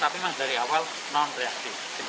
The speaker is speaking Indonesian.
tapi memang dari awal non reaktif